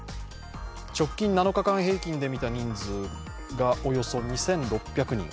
直近７日間平均で見た人数がおよそ２６００人。